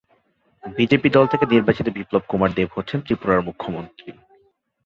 BJP দল থেকে নির্বাচিত বিপ্লব কুমার দেব হচ্ছেন ত্রিপুরার মুখ্যমন্ত্রী।